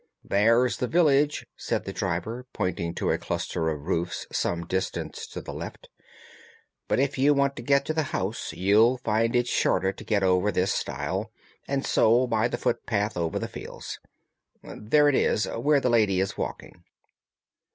"There's the village," said the driver, pointing to a cluster of roofs some distance to the left; "but if you want to get to the house, you'll find it shorter to get over this stile, and so by the footpath over the fields. There it is, where the lady is walking."